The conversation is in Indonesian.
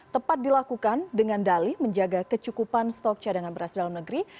tepat dilakukan dengan dali menjaga kecukupan stok cadangan beras dalam negeri